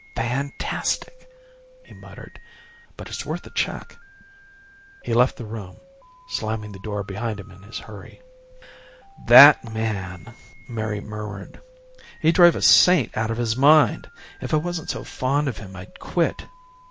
"Fantastic," he muttered, "but it's worth a check." He left the room, slamming the door behind him in his hurry. "That man!" Mary murmured. "He'd drive a saint out of his mind. If I wasn't so fond of him I'd quit.